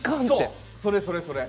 それそれそれ。